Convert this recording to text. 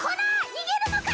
逃げるのか！